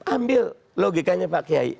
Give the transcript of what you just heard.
ambil logikanya pak kiai